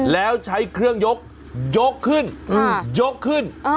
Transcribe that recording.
แล้วใช้เครื่องยกยกขึ้นยกขึ้น